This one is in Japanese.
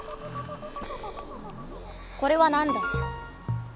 これは何だ？